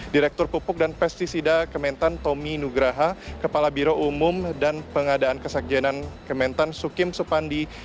direktur pupuk dan pesticida kementan tommy nugraha kepala biro umum dan pengadaan kesekjenan kementan sukim supandi